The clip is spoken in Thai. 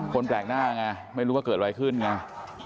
แปลกหน้าไงไม่รู้ว่าเกิดอะไรขึ้นไง